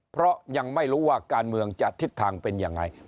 เพราะยังไม่รู้ว่าการเมืองจะทิศทางเป็นยังไง